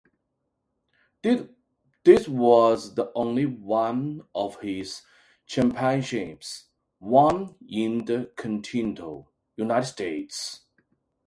This was the only one of his championships won in the continental United States.